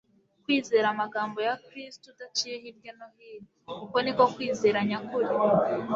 Kwizera amagambo ya Kristo udaciye hirya no hino : uko niko kwizera nyakuri.